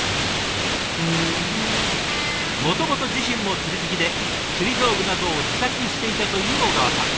もともと自身も釣り好きで釣り道具などを自作していたという小川さん。